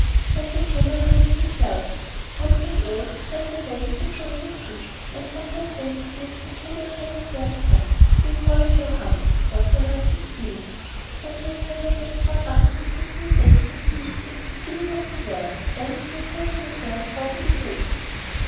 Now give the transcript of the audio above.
And the Camel humphed himself, humph and all, and went away to join the Three. And from that day to this the Camel always wears a humph (we call it 'hump' now, not to hurt his feelings); but he has never yet caught up with the three days that he missed at the beginning of the world, and he has never yet learned how to behave.